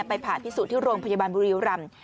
ไปผ่าพิสูจน์ที่โรงพยาบาลบุริยุรรรม